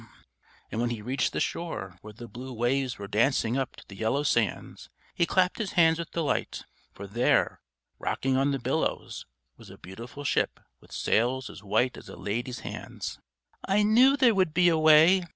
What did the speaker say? And when he reached the shore where the blue waves were dancing up to the yellow sands, he clapped his hands with delight; for there, rocking on the billows, was a beautiful ship with sails as white as a lady's hands. "I knew there would be a way!"